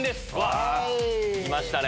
来ましたね。